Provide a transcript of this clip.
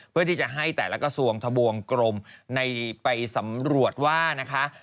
เพื่อที่จะให้แต่ละกระทรวงทะบวงกรมไปสำรวจว่านะคะ